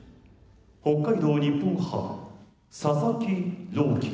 北海道日本ハム佐々木朗希